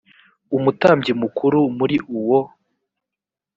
umutambyi mukuru muri uwo